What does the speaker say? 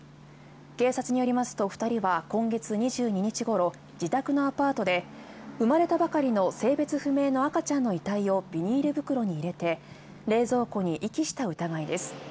警察によりますと２人は今月２２日ごろ、自宅のアパートで、産まれたばかりの性別不明の赤ちゃんの遺体をビニール袋に入れて、冷蔵庫に遺棄した疑いです。